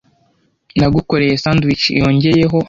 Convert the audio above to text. Nagukoreye sandwich yongeyeho.